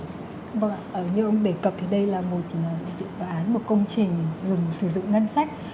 như ông đề cập thì đây là một dự án một công trình dùng sử dụng ngân sách